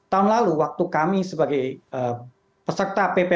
tahun lain kita mulai mencari pemerintah yang berkembang